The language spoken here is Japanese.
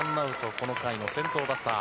この回の先頭バッター。